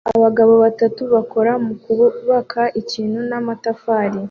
Abagabo batatu bakora mukubaka ikintu n'amatafari